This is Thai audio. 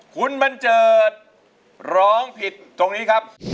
คุณบันเจิดร้องผิดตรงนี้ครับ